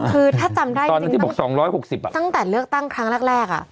คือถ้าจำได้ตอนนั้นที่บอก๒๖๐ตั้งแต่เลือกตั้งครั้งแรก